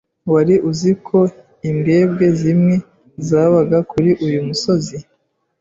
Wari uzi ko imbwebwe zimwe zabaga kuri uyu musozi?